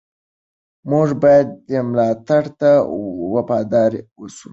موږ باید دې ملاتړ ته وفادار اوسو.